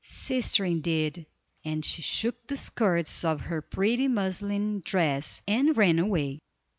Sister, indeed!" and she shook the skirts of her pretty muslin dress, and ran away.